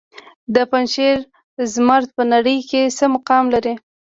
د پنجشیر زمرد په نړۍ کې څه مقام لري؟